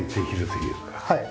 はい。